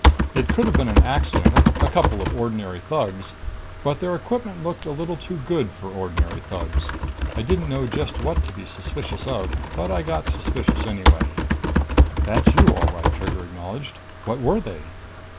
"It could have been an accident a couple of ordinary thugs. But their equipment looked a little too good for ordinary thugs. I didn't know just what to be suspicious of, but I got suspicious anyway." "That's you, all right," Trigger acknowledged. "What were they?"